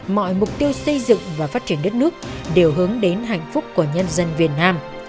mọi mục tiêu xây dựng và phát triển đất nước đều hướng đến hạnh phúc của nhân dân việt nam